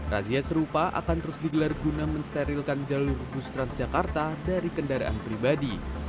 razia serupa akan terus digelar guna mensterilkan jalur bus transjakarta dari kendaraan pribadi